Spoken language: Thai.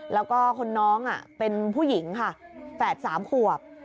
แล้วก็คนน้องเป็นผู้หญิงค่ะ๘๓ขวบ